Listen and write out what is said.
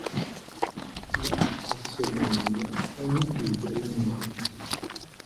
La assomiglia a una tilde allungata.